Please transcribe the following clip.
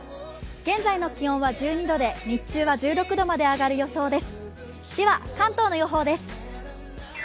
現在の気温は１２度で、日中は１６度まで上がる予想です。